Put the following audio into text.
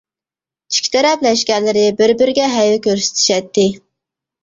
ئىككى تەرەپ لەشكەرلىرى بىر-بىرىگە ھەيۋە كۆرسىتىشەتتى.